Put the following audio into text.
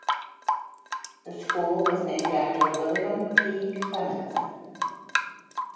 The school was named after William P. Clements.